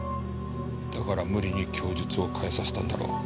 だから無理に供述を変えさせたんだろう。